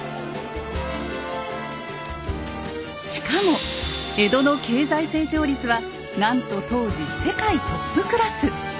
しかも江戸の経済成長率はなんと当時世界トップクラス！